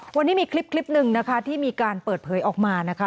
วันนี้มีคลิปหนึ่งนะคะที่มีการเปิดเผยออกมานะคะ